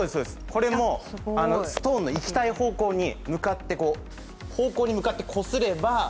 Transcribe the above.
これもストーンの行きたい方向に向かってこう方向に向かってこすればそっちの方に。